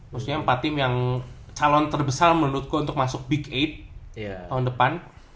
maksudnya empat tim yang calon terbesar menurutku untuk masuk big delapan tahun depan